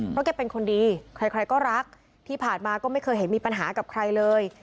เพราะแกเป็นคนดีใครก็รักที่ผ่านมาก็ไม่เคยเห็นมีปัญหากับใครเลย